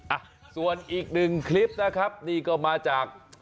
อ่ะส่วนอีกหนึ่งคลิปนะครับนี่ก็มาจาก